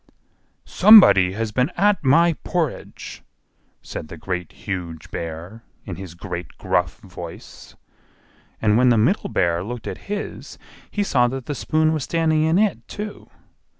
"SOMEBODY HAS BEEN AT MY PORRIDGE!" said the Great, Huge Bear, in his great gruff voice. And when the Middle Bear looked at his, he saw that the spoon was standing in it, too.